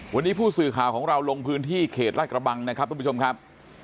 วันนี้ผู้สื่อข่าวของเราลงพื้นที่เขตลาดกระบังนะครับทุกผู้ชมครับ